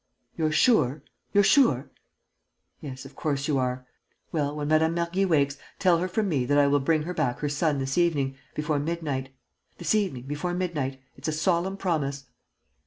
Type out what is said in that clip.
"You're sure? You're sure?... Yes, of course you are!... Well, when Madame Mergy wakes, tell her from me that I will bring her back her son this evening, before midnight. This evening, before midnight: it's a solemn promise."